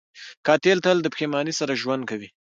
قاتل تل د پښېمانۍ سره ژوند کوي